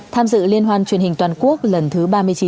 tham dự liên hoan truyền hình toàn quốc lần thứ ba mươi chín